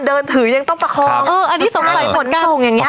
เดินถือยังต้องประคองเอออันนี้สมใจเหมือนกันส่งอย่างเงี้ย